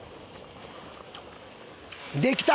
できた！